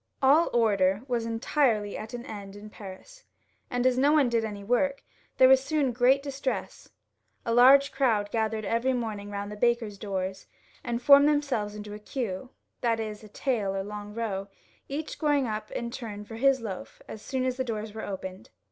All order was entirely at an end in Paris, and as no XLVIL] LOUIS XVL 387 one did any work, there was soon great distress ; a large crowd gathered every morning round the bakers' doors, and formed themselves into a queue, that is, a tail or long row, each going up in turn for his loaf as soon as the doors were opened.